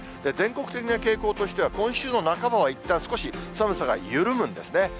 全国的な傾向としては、今週の半ばは、いったん少し寒さが緩むんですね。